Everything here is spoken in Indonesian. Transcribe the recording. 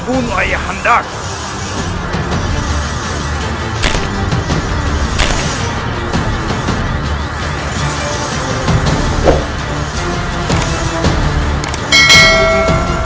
aku akan mencari dia